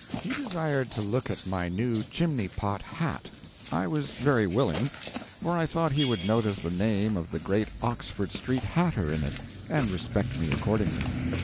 He desired to look at my new chimney pot hat. I was very willing, for I thought he would notice the name of the great Oxford Street hatter in it, and respect me accordingly.